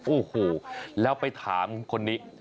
โอ้โหแล้วไปถามคนนี้